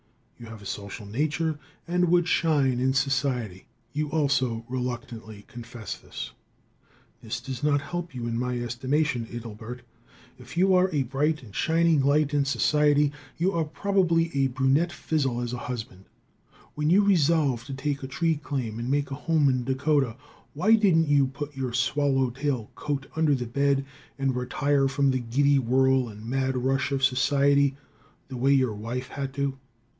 You have a social nature, and would shine in society. You also reluctantly confess this. That does not help you in my estimation, Adelbert. If you are a bright and shining light in society, you are probably a brunette fizzle as a husband. When you resolved to take a tree claim and make a home in Dakota, why didn't you put your swallow tail coat under the bed and retire from the giddy whirl and mad rush of society, the way your wife had to?